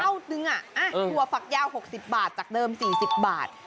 เท่าตึงตัวผักยาว๖๐บาทจากเดิม๔๐บาท